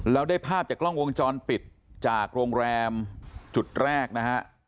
แล้วได้ภาพจากกล้องวงจรปิดจากโรงแรมจุดแรกนะฮะ